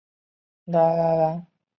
宋太宗曾请求他献医方。